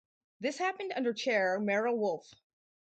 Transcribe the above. This happened under chair Merrill Wolfe.